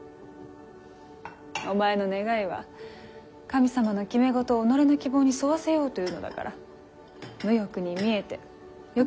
お前の願いは神様の決め事を己の希望に沿わせようというのだから無欲に見えて欲張りかもしれません。